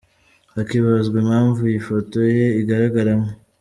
Hakibazwa impamvu iyi foto ye igaragaragaramo.